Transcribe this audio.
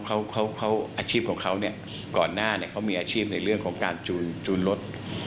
เขาเขาอาชีพของเขาเนี่ยก่อนหน้าเนี่ยเขามีอาชีพในเรื่องของการจูนรถ